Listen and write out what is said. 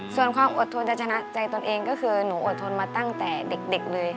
ส่วนความอดทนจะชนะใจตนเองก็คือหนูอดทนมาตั้งแต่เด็กเลย